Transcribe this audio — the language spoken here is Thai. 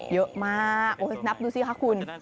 เยอะมากนับดูสิคะคุณ